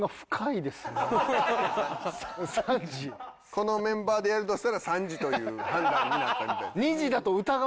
このメンバーでやるとしたら３時という判断になったみたいです。